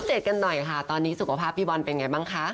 เดตกันหน่อยค่ะตอนนี้สุขภาพพี่บอลเป็นไงบ้างคะ